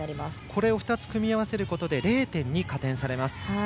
これを２つ組み合わせることで０．２加点されます。